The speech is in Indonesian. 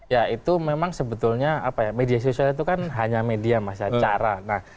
ya itu memang sebetulnya apa ya media sosial itu kan hanya media masa cara